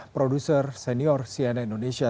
produser senior sian indonesia